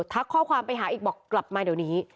ทักข้อความไปหาอีกบอกกลับมาเดี๋ยวนี้